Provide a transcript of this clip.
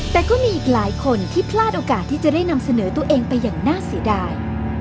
แต่ก็มีอีกหลายคนที่พลาดโอกาสที่จะได้นำเสนอตัวเองไปอย่างน่าเสียดาย